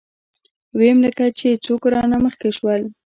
ويم لکه چې څوک رانه مخکې شول.